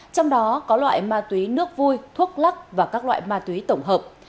trong đó có loại ma túy nước vui thuốc lắc và các loại ma túy tổng hợp